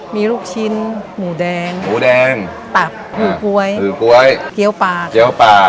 มีลูกชิ้นหมูแดงตับหูก๊วยเกี้ยวปลา